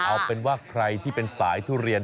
เอาเป็นว่าใครที่เป็นสายทุเรียน